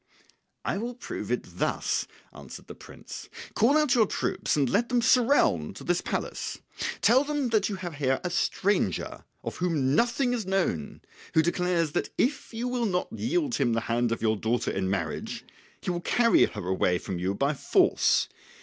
"I will prove it thus," answered the prince. "Call out your troops and let them surround this palace; tell them that you have here a stranger, of whom nothing is known, who declares that if you will not yield him the hand of your daughter in marriage he will carry her away from you by force.